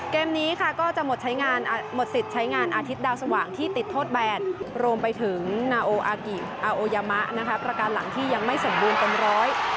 เกมนี้ค่ะก็จะหมดใช้งานหมดสิทธิ์ใช้งานอาทิตย์ดาวสว่างที่ติดโทษแบนรวมไปถึงนาโออากิอาโอยามะนะคะประการหลังที่ยังไม่สมบูรณ์เต็มร้อย